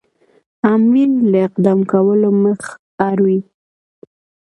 امیر له اقدام کولو مخ اړوي.